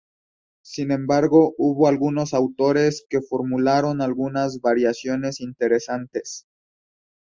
Sin embargo, hubo algunos autores que formularon algunas variaciones interesantes.